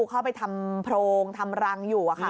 เข้าไปทำโพรงทำรังอยู่